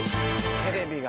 テレビが。